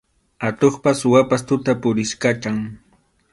Atuqpas suwapas tuta puriykachan.